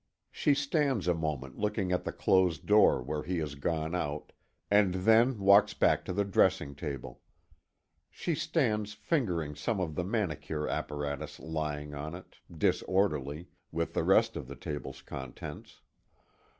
She stands a moment looking at the closed door where he has gone out, and then walks back to the dressing table. She stands fingering some of the manicure apparatus lying on it, disorderly, with the rest of the table's contents.